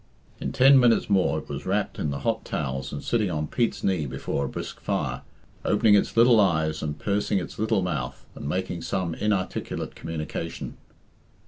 In ten minutes more it was wrapped in the hot towels and sitting on Pete's knee before a brisk are, opening its little eyes and pursing its little mouth, and making some inarticulate communication.